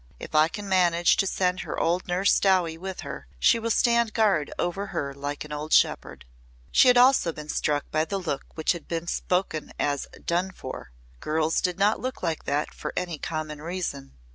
If I can manage to send her old nurse Dowie with her she will stand guard over her like an old shepherd." She also had been struck by the look which had been spoken of as "done for." Girls did not look like that for any common reason.